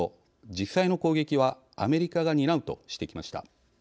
実際の攻撃はアメリカが担うとしてきました。